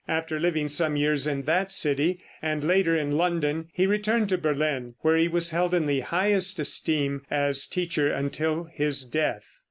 After living some years in that city, and later in London, he returned to Berlin, where he was held in the highest esteem as teacher until his death.